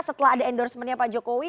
setelah ada endorsementnya pak jokowi